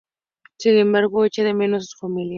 Sin embargo, echa de menos a su familia.